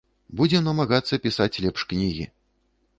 Будзем намагацца пісаць лепш кнігі.